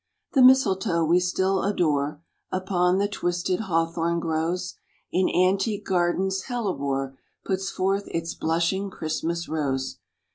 The mistletoe we still adore Upon the twisted hawthorn grows: In antique gardens hellebore Puts forth its blushing Christmas rose.